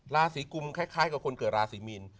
ราศีกุมคล้ายกับคนเกิดราศีมีน